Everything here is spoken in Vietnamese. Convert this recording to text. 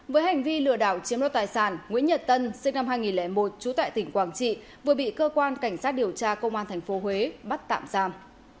với hành vi lừa đảo chiếm đoạt tài sản nguyễn nhật tân sinh năm hai nghìn một trú tại tỉnh quảng trị vừa bị cơ quan cảnh sát điều tra công an tp huế bắt tạm giam